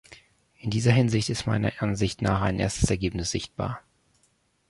In dieser Hinsicht ist meiner Ansicht nach ein erstes Ergebnis sichtbar.